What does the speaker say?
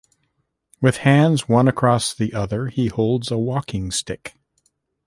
With hands, one across the other, he holds a walking stick.